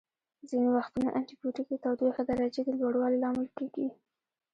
ځینې وختونه انټي بیوټیک د تودوخې درجې د لوړوالي لامل کیږي.